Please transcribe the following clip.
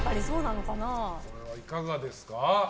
これはいかがですか？